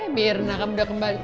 hei mirna kamu udah kembali